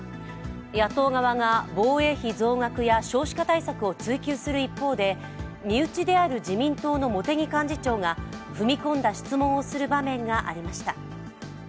野党側が防衛費増額や少子化対策を追及する一方で身内である自民党の茂木幹事長が踏み込んだ質問をする場面がありました。